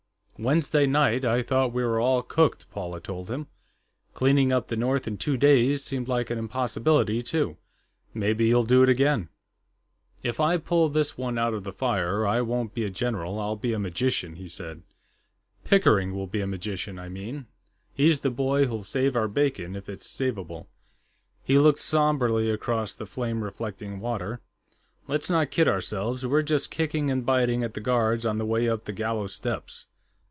"Wednesday night, I thought we were all cooked," Paula told him. "Cleaning up the north in two days seemed like an impossibility, too. Maybe you'll do it again." "If I pull this one out of the fire, I won't be a general; I'll be a magician," he said. "Pickering'll be a magician, I mean; he's the boy who'll save our bacon, if it's saveable." He looked somberly across the flame reflecting water. "Let's not kid ourselves; we're just kicking and biting at the guards on the way up the gallows steps."